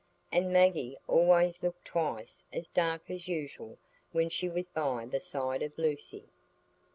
And Maggie always looked twice as dark as usual when she was by the side of Lucy.